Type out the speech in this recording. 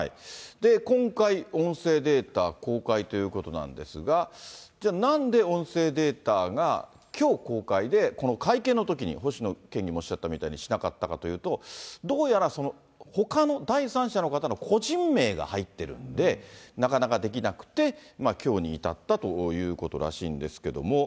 今回、音声データ公開ということなんですが、じゃあ、なんで、音声データがきょう公開で、この会見のときに、星野県議もおっしゃったみたいにしなかったというと、どうやら、そのほかの第三者の方の個人名が入ってるんで、なかなかできなくて、きょうに至ったということらしいんですけども。